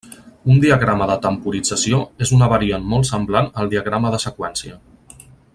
Un diagrama de temporització és una variant molt semblant al diagrama de seqüència.